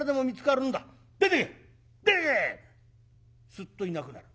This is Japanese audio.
スッといなくなる。